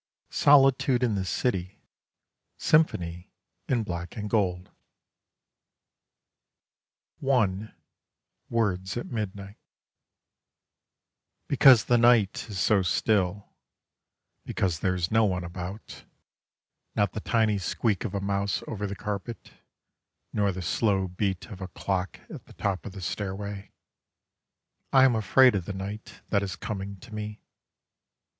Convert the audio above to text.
SOLITUDE IN THE CITY (Symphony in Black and Gold) I WORDS AT MIDNIGHT Because the night is so still, Because there is no one about, Not the tiny squeak of a mouse over the carpet, Nor the slow beat of a clock at the top of the stairway, I am afraid of the night that is coming to me.